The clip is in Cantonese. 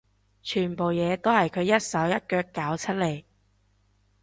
全部嘢都係佢一手一腳搞出嚟